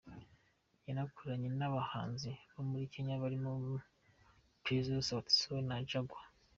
Yanakoranye n’abahanzi bo muri Kenya barimo Prezzo, Sauti Sol na Jaguar.